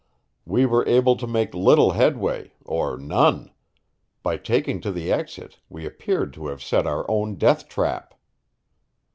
We were able to make little headway, or none; by taking to the exit we appeared to have set our own death trap.